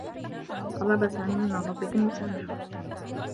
طلب سامي من الرّبّ أن يسامحه.